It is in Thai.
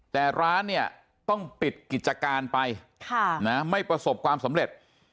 แต่ร้านเนี่ยต้องปิดกิจการไปไม่ประสบความสำเร็จ